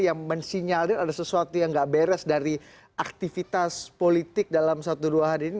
yang mensinyalir ada sesuatu yang gak beres dari aktivitas politik dalam satu dua hari ini